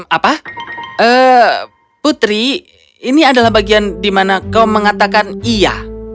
apa putri ini adalah bagian di mana kau mengatakan iya